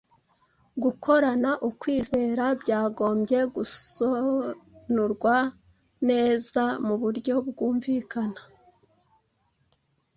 Gukorana ukwizera byagombye gusonurwa neza mu buryo bwumvikana.